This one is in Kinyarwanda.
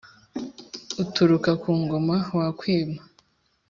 Uturuka ku ngoma ,wakwima